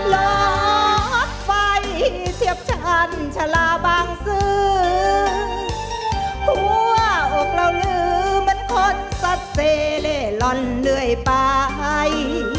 ลดไปเทียบฉันชะลาบางซื้อหัวออกเราลืมเหมือนคนสัตว์เสร็จร้อนเลื่อยไป